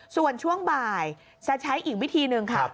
ส่วนช่วงบ่ายจะใช้อีกวิธีหนึ่งค่ะ